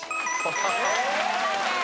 正解です。